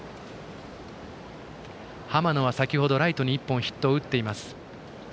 濱野は先程ライトに１本ヒットを打っています。